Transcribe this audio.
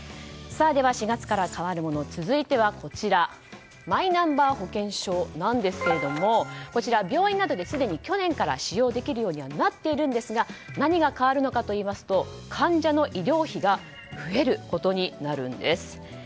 では、４月から変わるもの続いてはマイナンバー保険証なんですが病院などですでに去年から使用できるようになっているんですが何が変わるのかというと患者の医療費が増えることになるんです。